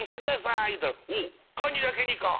「カニだけにか」